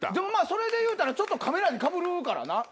それでいうたらちょっとカメラにかぶるからな。